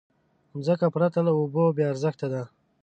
مځکه پرته له اوبو بېارزښته ده.